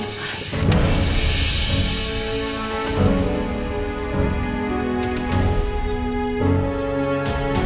kamu akhirnya mulai kerjain